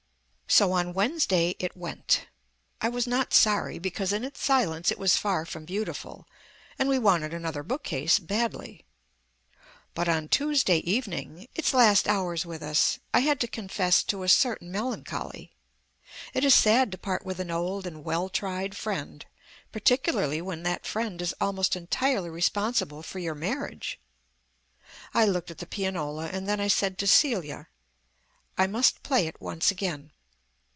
So on Wednesday it went. I was not sorry, because in its silence it was far from beautiful, and we wanted another book case badly. But on Tuesday evening its last hours with us I had to confess to a certain melancholy. It is sad to part with an old and well tried friend, particularly when that friend is almost entirely responsible for your marriage. I looked at the pianola and then I said to Celia, "I must play it once again."